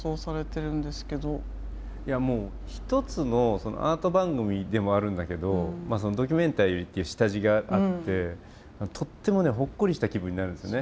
いやもう一つのアート番組でもあるんだけどドキュメンタリーっていう下地があってとってもねほっこりした気分になるんですよね。